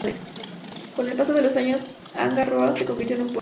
Con el paso de los años, Hanga Roa se convirtió en un pueblo.